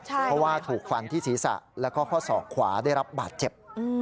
เพราะว่าถูกฟันที่ศีรษะแล้วก็ข้อศอกขวาได้รับบาดเจ็บ